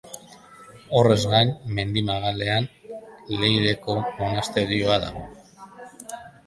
Horrez gain, mendi magalean Leireko monasterioa dago.